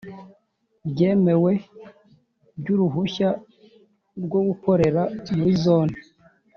ryemewe ry uruhushya rwo gukorera muri Zone